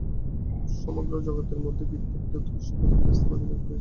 সমগ্র জগতের মধ্যে বৃত্ত একটি উৎকৃষ্ট প্রতীকের স্থান অধিকার করিয়াছে।